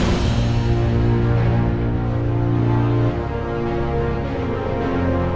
ngapain rafael lari lari enggak tahu